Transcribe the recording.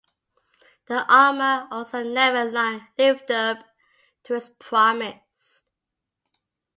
The armor also never lived up to its promise.